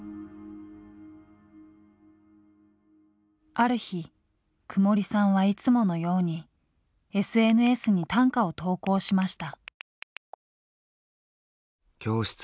ある日くもりさんはいつものようにＳＮＳに短歌を投稿しました。